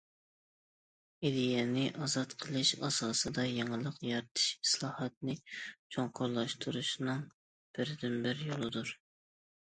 ئىدىيەنى ئازاد قىلىش ئاساسىدا يېڭىلىق يارىتىش ئىسلاھاتنى چوڭقۇرلاشتۇرۇشنىڭ بىردىنبىر يولىدۇر.